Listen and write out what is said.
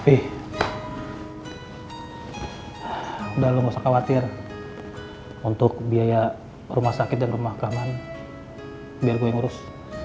udah lu gak usah khawatir untuk biaya rumah sakit dan rumah keamanan biar gue ngurus